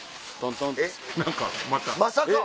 まさか！